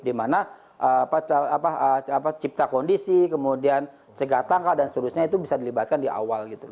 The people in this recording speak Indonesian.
dimana cipta kondisi kemudian cegah tangka dan seterusnya itu bisa dilibatkan di awal gitu